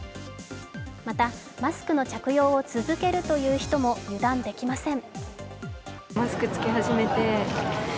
また、マスクの着用を続けるという人も油断できません。